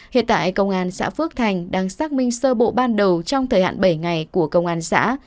hiện tại công an xã phước thành đang xác minh sơ bộ ban đầu trong thời hạn bảy ngày của công an xã